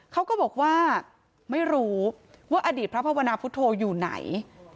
เขาก็บอกว่าไม่รู้ว่าอดีตพระภาวนาพุทธโธอยู่ไหน